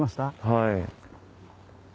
はい。